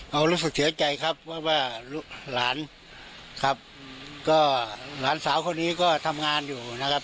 รู้สึกเสียใจครับว่าหลานครับก็หลานสาวคนนี้ก็ทำงานอยู่นะครับ